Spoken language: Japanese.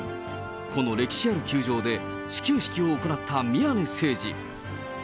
この歴史ある球場で始球式を行った宮根誠司。